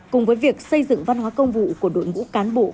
cùng với việc xây dựng văn hóa công vụ của đội ngũ cán bộ